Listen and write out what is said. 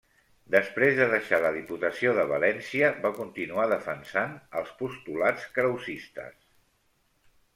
Després de deixar la Diputació de València va continuar defensant els postulats krausistes.